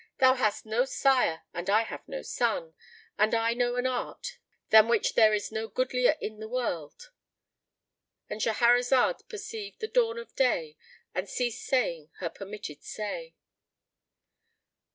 Thou hast no sire and I have no son, and I know an art, than which there is no goodlier in the world."—And Shahrazad perceived the dawn of day and ceased saying her permitted say.